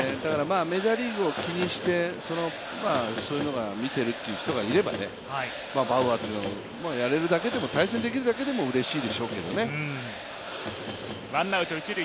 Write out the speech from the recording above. メジャーリーグを気にしてそういうのを見ているという人がいればバウアーと対戦できるだけでもうれしいでしょうけどね。